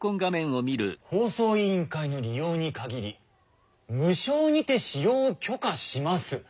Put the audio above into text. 「放送委員会の利用に限り無償にて使用を許可します」。